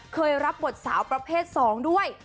เคยรับบทสาวประเภทสองด้วย